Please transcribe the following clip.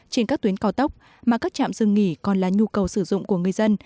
trên các tuyến cao tốc mà các trạm dừng nghỉ còn là nhu cầu sử dụng của người dân